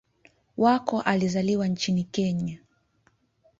Wako alizaliwa nchini Kenya.